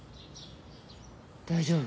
大丈夫。